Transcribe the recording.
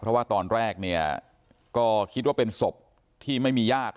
เพราะว่าตอนแรกเนี่ยก็คิดว่าเป็นศพที่ไม่มีญาติ